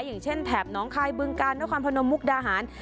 อย่างเช่นแถบน้องคายบึงกาลนครพนมมุกดาหาร